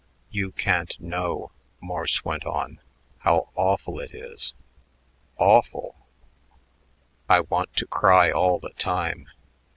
"You can't know," Morse went on, "how awful it is awful! I want to cry all the time.